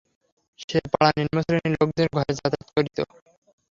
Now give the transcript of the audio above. সে পাড়ার নিম্নশ্রেণীর লোকদের ঘরে যাতায়াত করিত।